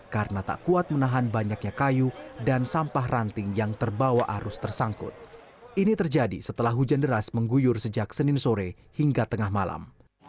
kedua arus tersangkut ini terjadi setelah hujan deras mengguyur sejak senin sore hingga tengah malam